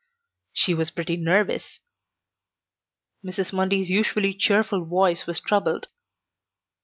"She was pretty nervous." Mrs. Mundy's usually cheerful voice was troubled.